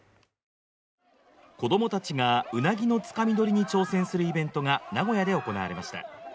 子供たちがうなぎのつかみ取りに挑戦するイベントが名古屋で行われました。